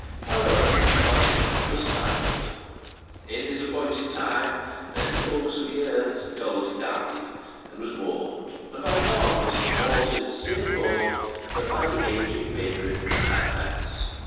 However, gossip was stifled. In his appointed time, and in the fulness of years, Goldie died, and was mourned. And by none was he more sincerely mourned than by the aged bedridden Caiaphas.